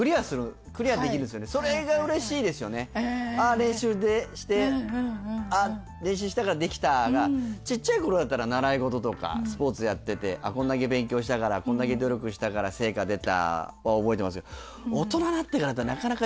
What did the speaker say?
練習して「あっ練習したからできた」が小っちゃい頃だったら習い事とかスポーツやっててこんだけ勉強したからこんだけ努力したから成果出たは覚えてますけど。